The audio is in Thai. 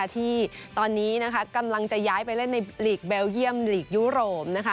ที่ตอนนี้กำลังจะย้ายไปเล่นในหลีกเบลเยี่ยมลีกยุโรป